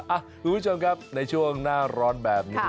คุณผู้ชมครับในช่วงหน้าร้อนแบบนี้